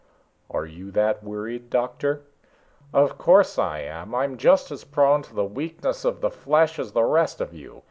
"Are you that worried, Doctor?" "Of course I am! I'm just as prone to the weakness of the flesh as the rest of you.